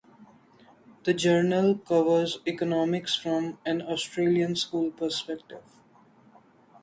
The journal covers economics from an Austrian School perspective.